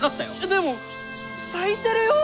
でも咲いてるよ！